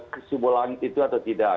ke simbolangit itu atau tidak